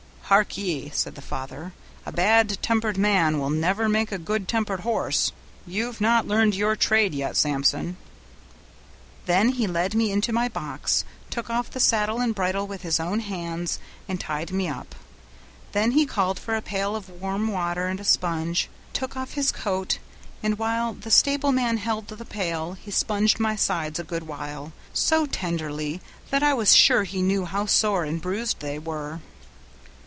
'Hark ye,' said the father, 'a bad tempered man will never make a good tempered horse. You've not learned your trade yet, Samson.' Then he led me into my box, took off the saddle and bridle with his own hands, and tied me up; then he called for a pail of warm water and a sponge, took off his coat, and while the stable man held the pail, he sponged my sides a good while, so tenderly that I was sure he knew how sore and bruised they were.